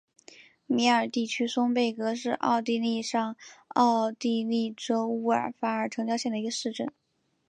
米尔地区松贝格是奥地利上奥地利州乌尔法尔城郊县的一个市镇。